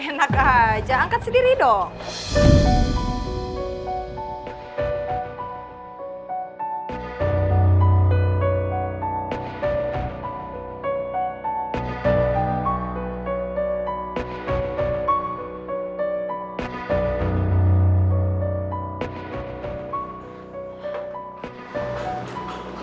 enak aja angkat sendiri dong